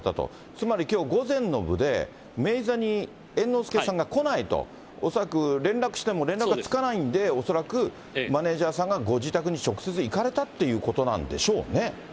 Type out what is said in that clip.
つまりきょう午前の部で、明治座に猿之助さんが来ないと、恐らく連絡しても連絡がつかないんで、恐らくマネージャーさんがご自宅に直接行かれたってことなんでし